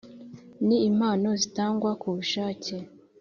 N impano zitangwa ku bushake